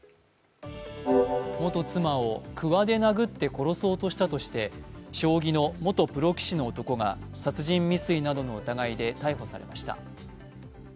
元妻をくわで殴って殺そうとしたとして将棋の元プロ棋士の男が殺人未遂などの疑いで逮捕されました。